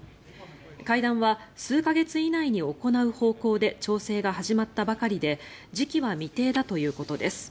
会談は数か月以内に行う方向で調整が始まったばかりで時期は未定だということです。